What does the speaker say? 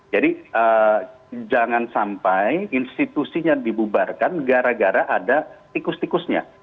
jadi jangan sampai institusinya dibubarkan gara gara ada tikus tikusnya